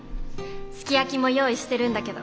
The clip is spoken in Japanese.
すき焼きも用意してるんだけど。